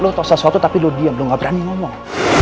lo tahu sesuatu tapi lo dia belum berani ngomong